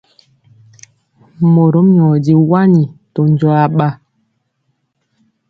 Morom nyɔ di wani to njɔɔ aɓa.